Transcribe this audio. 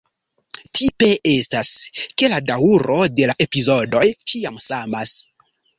Tipe estas, ke la daŭro de la epizodoj ĉiam samas.